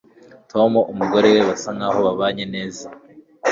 tom n'umugore we basa nkaho babanye neza